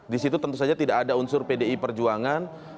di situ tentu saja tidak ada unsur pdi perjuangan